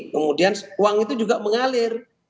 kemudian uang itu juga mengalir